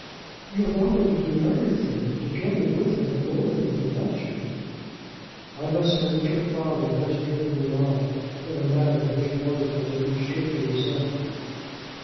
"You have offered to do everything together with him, if only he would let you." "I must say that your father has driven me on in a manner which Brotherton would be sure to resent."